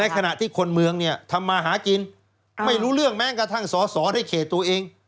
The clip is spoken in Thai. ในขณะที่คนเมืองทำมาหากินไม่รู้เรื่องแม้งกระทั่งสอดให้เขตูเอง